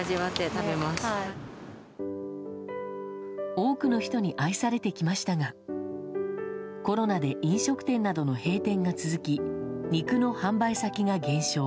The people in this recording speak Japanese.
多くの人に愛されてきましたがコロナで飲食店などの閉店が続き肉の販売先が減少。